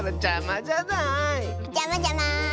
じゃまじゃま。